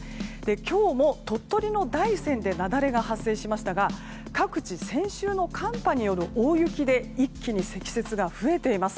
今日も鳥取の大山で雪崩が発生しましたが各地、先週の寒波による大雪で一気に積雪が増えています。